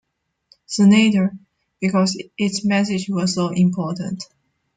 Senator, because its message was so important.